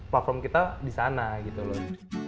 platform kita di sana gitu loh